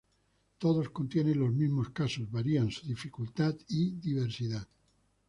Todos contienen los mismos casos, varian su dificultad y diversidad.